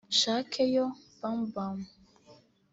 Shake Yo Bam Bam